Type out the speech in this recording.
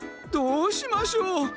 どうしましょう！